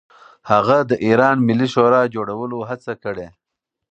هغه د ایران ملي شورا جوړولو هڅه کړې.